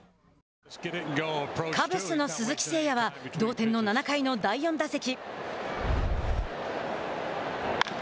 カブスの鈴木誠也は同点の７回の第４打席。